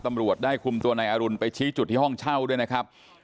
ตำรวจได้คุมตัวนายอรุณไปชี้จุดที่ห้องเช่าด้วยนะครับ